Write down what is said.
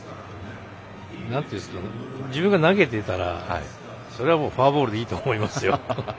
自分が投げてたら、それはもうフォアボールでいいと思いますよ。